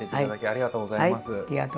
ありがとうございます。